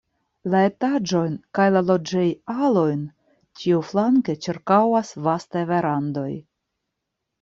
La etaĝojn kaj la loĝej-alojn ĉiuflanke ĉirkaŭas vastaj verandoj.